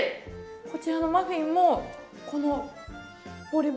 こちらのマフィンもこのポリ袋。